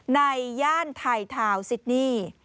ย่านไทยทาวน์ซิดนี่